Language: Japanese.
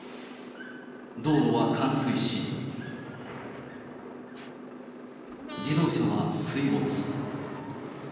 道路は冠水し、自動車は水没。